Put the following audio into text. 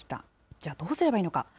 じゃあどうすればいいのか。